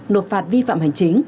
nộp phạt vi phạm hành chính